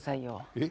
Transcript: えっ？